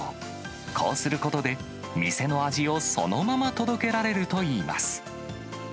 こうすることで、店の味をそのまま届けられるといいます。